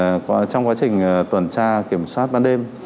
việc mà trong quá trình tuần tra kiểm soát ban đêm